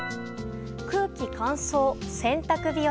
空気乾燥、洗濯日和。